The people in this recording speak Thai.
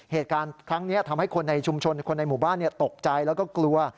เหตุการณ์ครั้งนี้ทำให้คนในชุมชนคนในหมู่บ้านตกใจแล้วก็กลัว